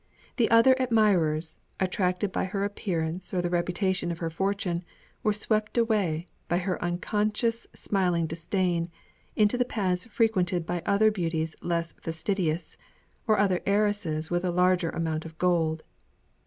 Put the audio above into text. The other admirers, attracted by her appearance or the reputation of her fortune, were swept away, by her unconscious smiling disdain, into the paths frequented by other beauties less fastidious, or other heiresses with a larger amount of gold.